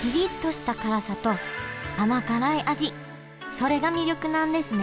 それが魅力なんですね